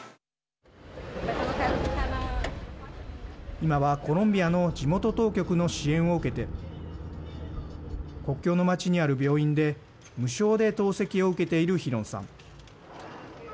今はコロンビアの地元当局の支援を受けて国境の町にある病院で無償で透析を受けているヒロンさん。